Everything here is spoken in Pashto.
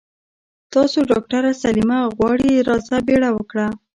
تاسو ډاکټره سليمه غواړي راځه بيړه وکړه.